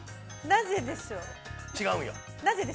◆なぜでしょう。